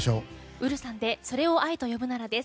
Ｕｒｕさんで「それを愛と呼ぶなら」です。